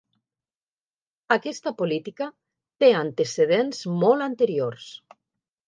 Aquesta política té antecedents molt anteriors.